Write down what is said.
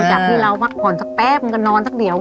โดดแล้วมาคนสักแป๊บมึงก็นอนสักเดี๋ยว